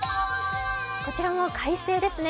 こちらも快晴ですね。